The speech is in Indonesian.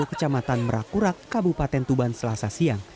kecamatan merakurak kabupaten tuban selasa siang